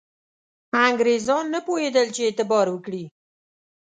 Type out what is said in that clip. انګرېزان نه پوهېدل چې اعتبار وکړي.